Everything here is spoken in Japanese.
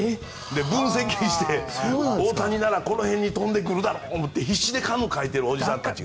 分析して、大谷ならこの辺に飛んでくると思って必死でカヌーかいているおじさんたちが。